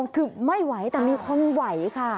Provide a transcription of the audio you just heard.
คือไม่ไหวแต่มีคนไหวค่ะ